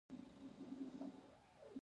محمود ته مې تېر کال دوه زره افغانۍ قرض ورکړ